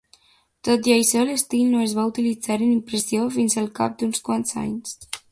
Tot i això, l'estil no es va utilitzar en impressió fins al cap d'uns quants anys.